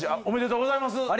おめでとうございます。